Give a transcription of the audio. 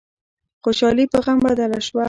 خوشحالي په غم بدله شوه.